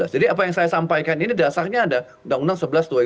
jadi apa yang saya sampaikan ini dasarnya ada undang undang sebelas dua ribu dua belas